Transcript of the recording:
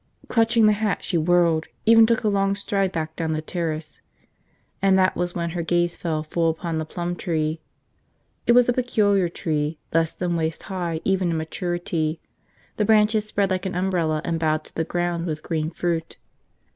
Clutching the hat she whirled, even took a long stride back down the terrace. And that was when her gaze fell full upon the plum tree. It was a peculiar tree, less than waist high even in maturity, the branches spread like an umbrella and bowed to the ground with green fruit.